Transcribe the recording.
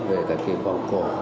về các cái vòng cổ